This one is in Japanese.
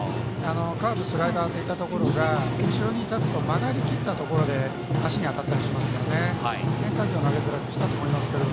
カーブ、スライダーが後ろに立つと曲がりきったところで足に当たったりしますから変化球を投げづらくしたんだと思いますけど